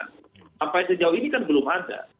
sampai sejauh ini kan belum ada